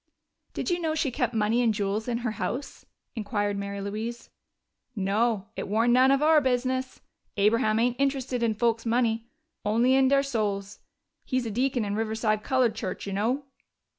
"Did you know she kept money and jewels in her house?" inquired Mary Louise. "No. It warn't none of our business. Abraham ain't interested in folks' money only in der souls. He's a deacon in Rive'side Colored Church, you know!"